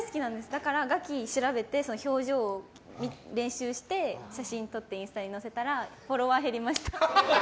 だから餓鬼を調べて表情を練習して写真を撮ってインスタに載せたらフォロワー減りました。